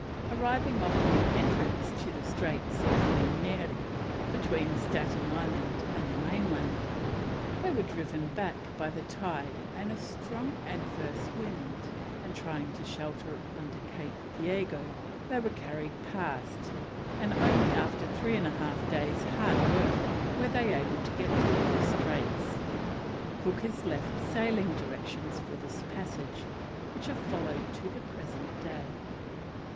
Arriving off the entrance of the Straits of Le Maire, between Staten Island and the mainland, they were driven back by the tide and a strong adverse wind, and trying to shelter under Cape Diego they were carried past, and only after three and a half days' hard work were they able to get through the straits. Cook has left sailing directions for this passage which are followed to the present day.